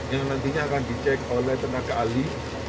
yang nantinya akan di cek oleh tenaga ali